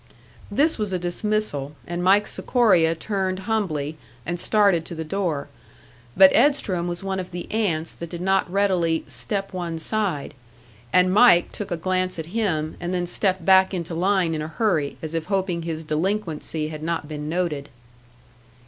This was a dismissal, and Mike Sikoria turned humbly, and started to the door. But Edstrom was one of the ants that did not readily "step one side"; and Mike took a glance at him, and then stepped back into line in a hurry, as if hoping his delinquency had not been noted.